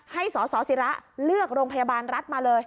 ให้สสิระเลือกโรงพยาบาลรัฐมาเลย